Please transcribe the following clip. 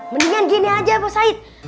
mendingan gini aja bu said